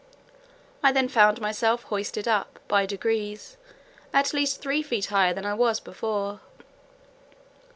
I then found myself hoisted up, by degrees, at least three feet higher than I was before.